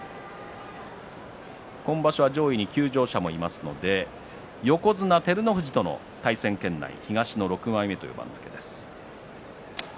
今場所は上位に休場者もいますので横綱照ノ富士との対戦圏内東の６枚目という番付です。